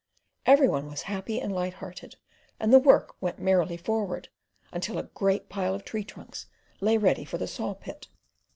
Every one was happy and light hearted, and the work went merrily forward, until a great pile of tree trunks lay ready for the sawpit.